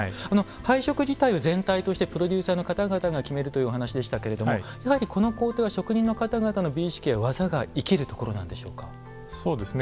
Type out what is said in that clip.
配色自体は全体としてプロデューサーの方々が決めるというお話でしたけれどもやはりこの工程は職人の方々の美意識や技がそうですね。